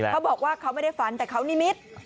เขาบอกว่าเขาไม่ได้ฝันแต่เขานิมิตร